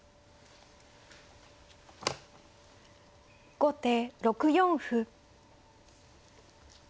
後手６四歩。